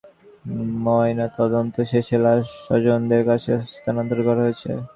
সাতক্ষীরা সদর হাসপাতালে ময়নাতদন্ত শেষে লাশ স্বজনদের কাছে হস্তান্তর করা হয়েছে।